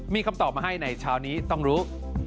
มีคำตอบมาให้ในเช้านี้ต้องรู้